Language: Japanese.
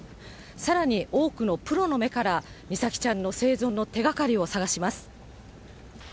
さらに多くのプロの目から、美咲ちゃんの生存の手がかりを捜します。